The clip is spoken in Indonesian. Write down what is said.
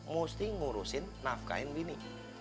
mesti ngurusin nafkain bini